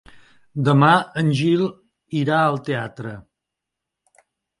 Demà en Gil irà al teatre.